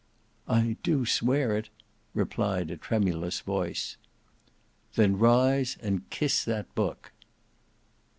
"I do swear it," replied a tremulous voice. "Then rise and kiss that book."